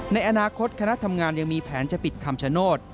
ในอนาคตคณะทำงานยังมีแผนจะปิดคำชโนธ